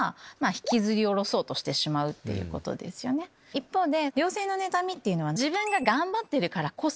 一方で。